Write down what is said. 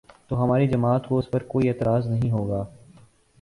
تو ہماری جماعت کو اس پر کوئی اعتراض نہیں ہو گا۔